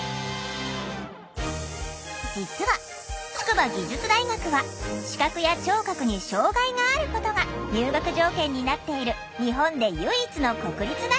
実は筑波技術大学は「視覚や聴覚に障害があること」が入学条件になっている日本で唯一の国立大学。